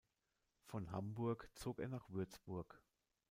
Von Hamburg zog er nach Würzburg.